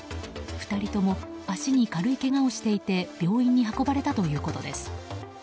２人とも足に軽いけがをしていて病院に運ばれたということです。